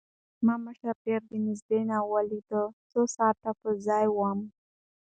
ما مشر ډېر د نزدې نه وليد څو ساعت پۀ ځائې ووم